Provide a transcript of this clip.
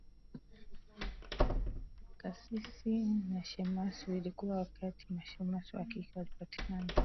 Kasisi na Shemasi vilikuwa kawaida Mashemasi wa kike walipatikana